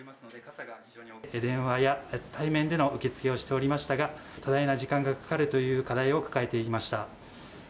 電話や対面での受け付けをしておりましたが、多大な時間がかかるという課題を抱えていました。